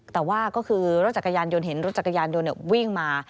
แต่ว่าก็คือรถจักรยานยนต์เห็นรถจักรยานยนต์วิ่งมา